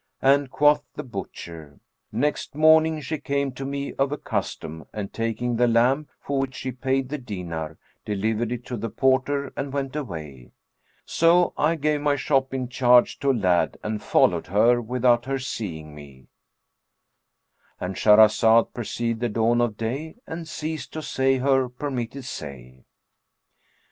And quoth the butcher, "Next morning she came to me as of custom and taking the lamb, for which she paid the dinar, delivered it to the porter and went away. So I gave my shop in charge to a lad and followed her without her seeing me;"—And Shahrazad perceived the dawn of day and ceased to say her permitted say.